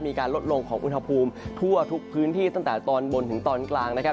มีการลดลงของอุณหภูมิทั่วทุกพื้นที่ตั้งแต่ตอนบนถึงตอนกลางนะครับ